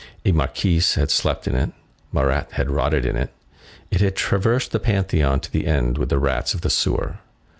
A Marquise had slept in it; Marat had rotted in it; it had traversed the Pantheon to end with the rats of the sewer.